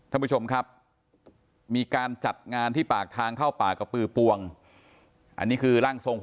ท่านผู้ชมครับมีการจัดงานที่ปากทางเข้าป่ากระปือปวงอันนี้คือร่างทรง